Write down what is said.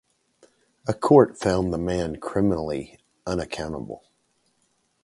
A court found the man criminally unaccountable.